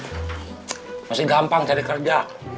masih muda cantik masih gampang cari kerja